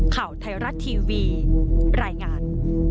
ข่าวไทยรัฐทีวีรายงาน